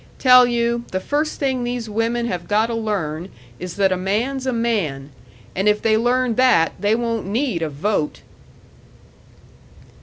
Tell you, the first thing these women have gotta learn is that a man's a man, and if they learn that they won't need a vote!"